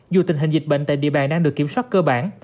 dù tình hình dịch bệnh tại địa bàn đang được kiểm soát cơ bản